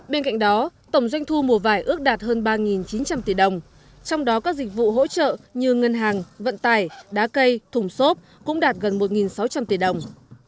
bên cạnh đó tổng doanh thu mùa vải ước đạt hơn ba chín trăm linh tỷ đồng trong đó các dịch vụ hỗ trợ như ngân hàng vận tải đá cây thùng xốp cũng đạt gần một sáu trăm linh tỷ đồng